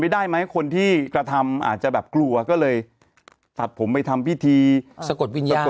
ได้ไหมคนที่กระทำอาจจะแบบกลัวก็เลยตัดผมไปทำพิธีสะกดวิญญาณ